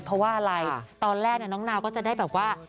เพราะว่าอะไรตอนแรกน้องนาวก็จะได้แบบว่า